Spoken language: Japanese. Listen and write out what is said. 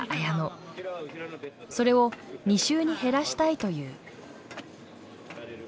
それを２周に減らしたいという。